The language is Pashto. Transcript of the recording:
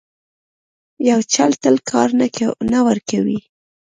یو چل تل کار نه ورکوي.